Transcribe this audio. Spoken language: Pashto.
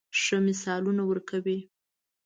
ښه مثالونه ورکوي.